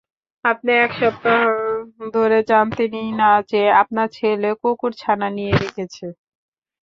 আপনি এক সপ্তাহ ধরে জানতেনই না যে, আপনার ছেলে কুকুরছানা নিয়ে রেখেছে।